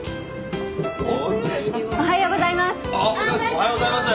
おはようございます。